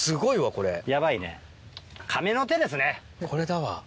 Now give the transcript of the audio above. これだわ。